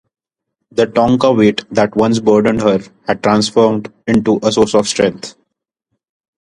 The tonka weight that once burdened her had transformed into a source of strength.